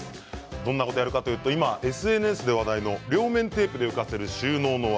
どんなことをやるかというとＳＮＳで話題の両面テープで浮かせる収納の技